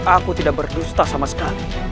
aku tidak berdusta sama sekali